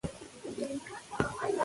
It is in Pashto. آغا خان دا قبر ښوولی وو.